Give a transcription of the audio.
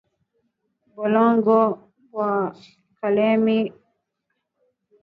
Bulongo bwa kalemie abutochanaki nzaka